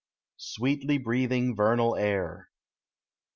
SWEETLY BREATHING, VERNAL AIR.